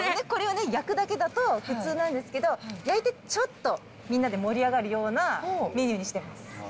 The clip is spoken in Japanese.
これはね、焼くだけだと普通なんですけど、焼いて、ちょっとみんなで盛り上がるようなメニューにしてます。